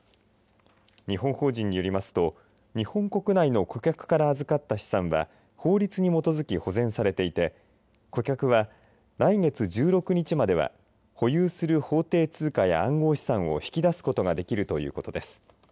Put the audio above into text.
日本法人によりますと日本国内の顧客から預かった資産は法律に基づき保全されていて顧客は来月１６日までは保有する法定通貨や暗号資産を引き出すことができるということです。